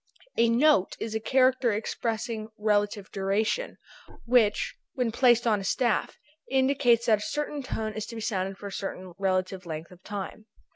A note is a character expressing relative duration, which when placed on a staff indicates that a certain tone is to be sounded for a certain relative length of time.